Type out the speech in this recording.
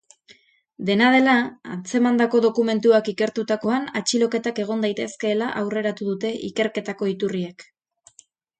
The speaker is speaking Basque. Dena dela, atzemandako dokumentuak ikertutakoan atxiloketak egon daitezkeela aurreratu dute ikerketako iturriek.